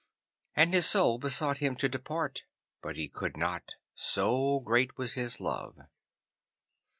And his Soul besought him to depart, but he would not, so great was his love.